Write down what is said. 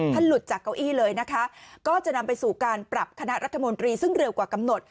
หลุดจากเก้าอี้เลยนะคะก็จะนำไปสู่การปรับคณะรัฐมนตรีซึ่งเร็วกว่ากำหนด